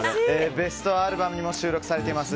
ベストアルバムにも収録されています